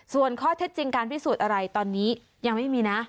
ส่วนข้อเท็จจริงการพิสูจน์อะไรตอนนี้ยังไม่มีนะ